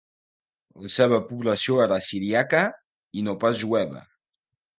La seva població era siríaca i no pas jueva.